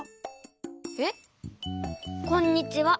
えっ？こんにちは。